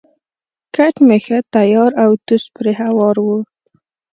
کټ مې ښه تیار او توس پرې هوار وو.